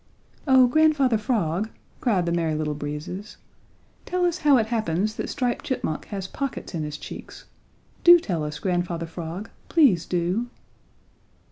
"Oh, Grandfather Frog," cried the Merry Little Breezes, "tell us how it happens that Striped Chipmunk has pockets in his cheeks. Do tell us, Grandfather Frog. Please do!"